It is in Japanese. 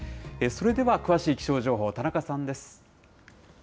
それでは詳しい気象情報、田中さんです。